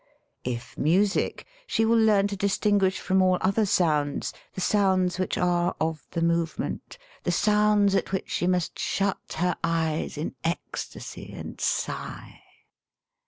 If music, she will learn to distinguish from all other sounds the sounds which are of the move ment, the sounds at which she must shut her eyes in ecstasy and sigh.